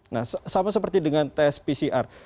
nah sama seperti dengan tes pcr